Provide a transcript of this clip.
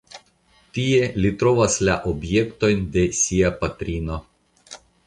Tie li trovas la objektojn de sia patrino.